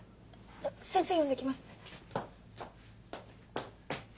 先生呼んで来ますね。